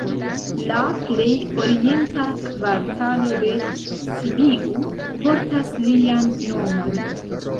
La plej orienta kvartalo de Sibiu portas lian nomon.